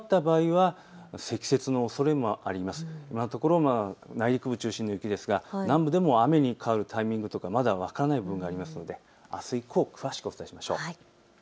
今のところ内陸部中心の雪ですが南部でも雨に変わるタイミングとかまだ分からない部分がありますので、あす以降、詳しくお伝えしましょう。